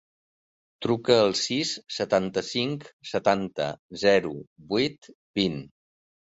Truca al sis, setanta-cinc, setanta, zero, vuit, vint.